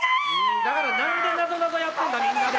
だから何でなぞなぞやってんのみんなで。